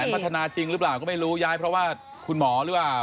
พัฒนาจริงหรือเปล่าก็ไม่รู้ย้ายเพราะว่าคุณหมอหรือเปล่า